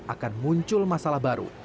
akan muncul masalah baru